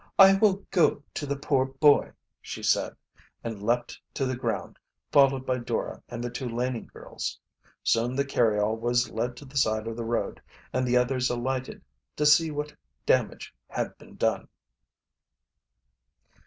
"I will go to the poor boy!" she said, and leaped to the ground, followed by Dora and the two Laning girls. Soon the carryall was led to the side of the road, and the others alighted, to see what damage had been done.